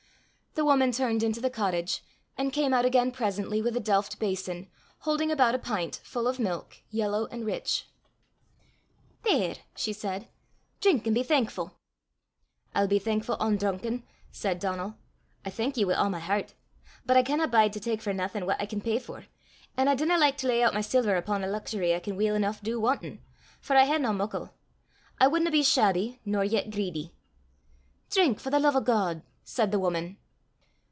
The woman turned into the cottage, and came out again presently with a delft basin, holding about a pint, full of milk, yellow and rich. "There!" she said; "drink an' be thankfu'." "I'll be thankfu' ohn drunken," said Donal. "I thank ye wi' a' my heart. But I canna bide to tak for naething what I can pey for, an' I dinna like to lay oot my siller upo' a luxury I can weel eneuch du wantin', for I haena muckle. I wadna be shabby nor yet greedy." "Drink, for the love o' God," said the woman.